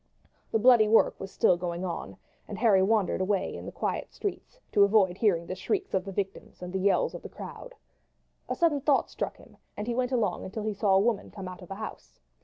The bloody work was still going on, and Harry wandered away into the quiet streets to avoid hearing the shrieks of the victims and the yells of the crowd. A sudden thought struck him, and he went along until he saw a woman come out of a house.